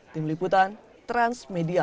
tim liputan transmedia